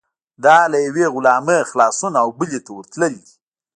دا له یوې غلامۍ خلاصون او بلې ته ورتلل دي.